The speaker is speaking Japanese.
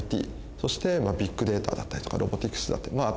そしてビッグデータだったりとかロボティクスだったり。